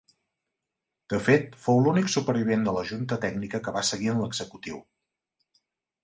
De fet, fou l'únic supervivent de la Junta Tècnica que va seguir en l'executiu.